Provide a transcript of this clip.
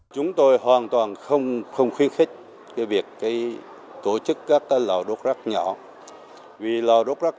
chúng tôi hoàn toàn không khuyên khích việc tổ chức các lò đốt rác